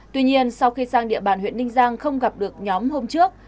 tuy nhiên sau khi sang địa bàn huyện ninh giang không gặp được nhóm hôm trước